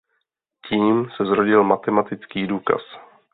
Tím se zrodil matematický důkaz.